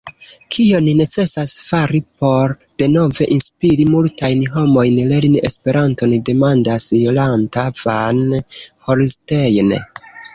Kion necesas fari por denove inspiri multajn homojn lerni Esperanton, demandas Jolanta van Holstein.